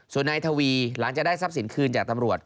ส่วนนายทวีหลังจากได้ทรัพย์สินคืนจากตำรวจ